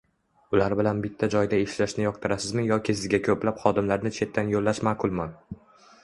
Ular bilan bitta joyda ishlashni yoqtirasizmi yoki sizga koʻplab xodimlarni chetdan yollash maʼqulmi?